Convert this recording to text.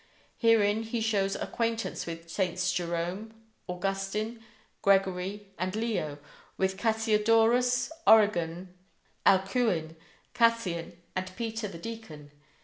Herein he shows acquaintance with Saints Jerome, Augustine, Gregory, and Leo, with Cassiodorus, Origen, Alcuin, Cassian, and Peter the Deacon.